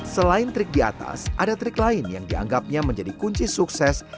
selain trik di atas ada trik lain yang dianggapnya menjadi kunci sukses